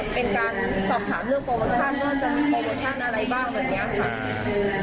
เป็นการสอบถามเรื่องโปรโมชั่นว่าจะมีโปรโมชั่นอะไรบ้างแบบนี้ค่ะ